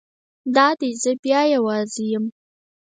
دا دی زه بیا یوازې یم.